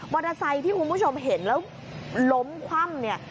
มอเตอร์ไซค์ที่คุณผู้ชมเห็นแล้วล้มคว่ำ